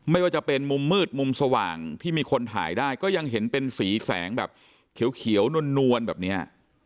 ไม่ว่าจะเป็นมุมมืดมุมสว่างที่มีคนถ่ายได้ก็ยังเห็นเป็นสีแสงแบบเขียวนวลแบบนี้